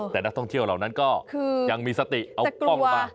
แต่นักท่องเที่ยวเหล่านั้นก็ยังมีสติเอากล้องลงมา